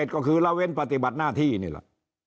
ก็คือละเว้นปฏิบัติหน้าที่นี่แหละ